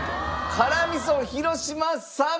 辛味噌広島さん